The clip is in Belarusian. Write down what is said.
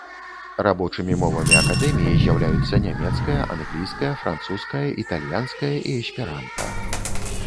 Рабочымі мовамі акадэміі з'яўляюцца нямецкая, англійская, французская, італьянская і эсперанта.